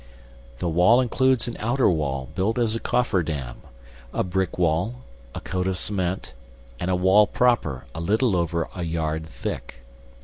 The wall includes an outer wall built as a coffer dam, a brick wall, a coat of cement, and a wall proper, a little over a yard thick.